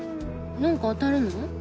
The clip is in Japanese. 何か当たるの？